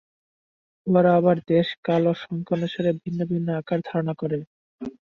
উহারা আবার দেশ, কাল ও সংখ্যা অনুসারে ভিন্ন ভিন্ন আকার ধারণ করে।